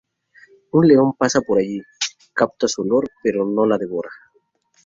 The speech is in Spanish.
Un león que pasa por allí, capta su olor pero no la devora.